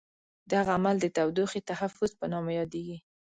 دغه عمل د تودوخې تحفظ په نامه یادیږي.